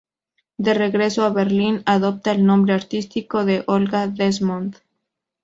De regreso a Berlín, adopta el nombre artístico de Olga Desmond.